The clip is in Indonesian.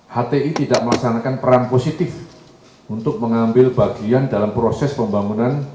hti tidak melaksanakan peran positif untuk mengambil bagian dalam proses pembangunan